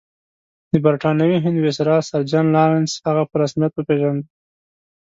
د برټانوي هند ویسرا سر جان لارنس هغه په رسمیت وپېژانده.